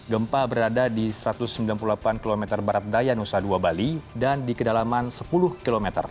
gempa berada di satu ratus sembilan puluh delapan km barat daya nusa dua bali dan di kedalaman sepuluh km